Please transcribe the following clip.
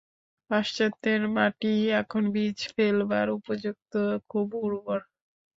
পাশ্চাত্যের মাটিই এখন বীজ ফেলবার উপযুক্ত, খুব উর্বর।